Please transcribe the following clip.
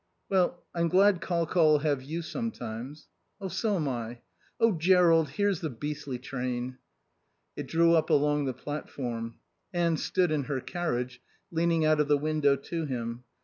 "Well, I'm glad Col Col'll have you sometimes." "So'm I... Oh, Jerrold, here's the beastly train." It drew up along the platform. Anne stood in her carriage, leaning out of the window to him.